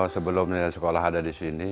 sebelumnya sekolah ada di sini